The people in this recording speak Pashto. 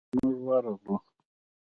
موږ ورغلو.